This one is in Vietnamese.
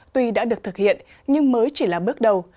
tuy đã được thực hiện nhưng mới chỉ là bước đầu